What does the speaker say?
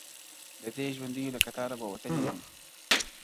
د دې ژوندیو له کتاره به وتلی یمه-